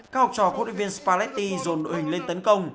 các học trò khuôn viên spalletti dồn đội hình lên tấn công